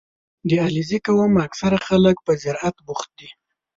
• د علیزي قوم اکثره خلک په زراعت بوخت دي.